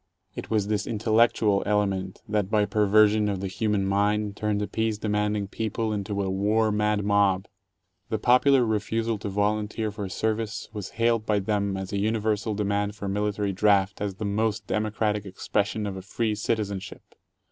It was this "intellectual" element that by perversion of the human mind turned a peace demanding people into a war mad mob. The popular refusal to volunteer for Service was hailed by them as a universal demand for military draft as "the most democratic ex pression of a free citizenship."